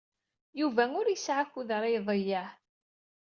Yuba ur yesɛi akud ara iḍeyyeɛ.